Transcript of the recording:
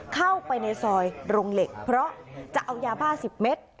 เข้าไปในซอยโรงเหล็กเพราะจะเอายาบ้า๑๐เมตร